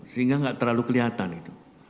sehingga enggak terlalu kelihatan itu